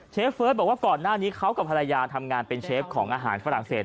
เฟิร์สบอกว่าก่อนหน้านี้เขากับภรรยาทำงานเป็นเชฟของอาหารฝรั่งเศส